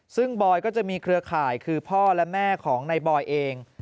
ซึ่งบอยก็จะมีเครือข่ายคือพ่อและแม่ของนายบอยเอง